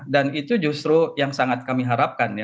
dan itu justru yang sangat kami harapkan